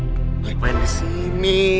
ngapain di sini